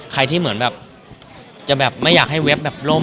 ใครที่ไม่อยากให้เว็บร่ม